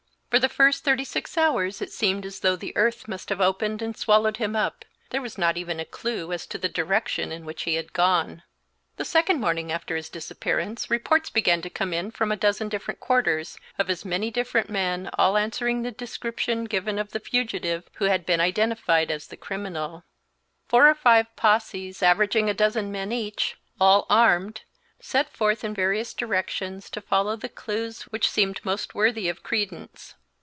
For the first thirty six hours it seemed as though the earth must have opened and swallowed him up; there was not even a clue as to the direction in which he had gone. The second morning after his disappearance reports began to come in from a dozen different quarters of as many different men, all answering the description given of the fugitive, who had been identified as the criminal. Four or five posses, averaging a dozen men each, all armed, set forth in various directions to follow the clews which seemed most worthy of credence.